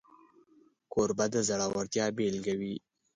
کوربه د زړورتیا بيلګه وي.